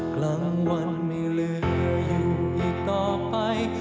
กลางวันไม่เหลืออยู่อีกต่อไป